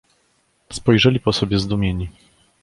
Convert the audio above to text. "Spojrzeli po sobie zdumieni."